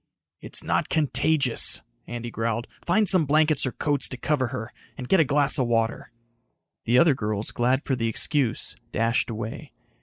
"It's not contagious," Andy growled. "Find some blankets or coats to cover her. And get a glass of water." The other girls, glad for the excuse, dashed away.